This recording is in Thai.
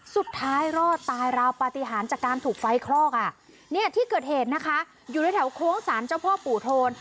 สุดท้ายรอดตายราวปฏิหารจากการถูกไฟคลอกอ่ะเนี่ยที่เกิดเหตุนะคะอยู่ในแถวโค้งสารเจ้าพ่อปู่โทน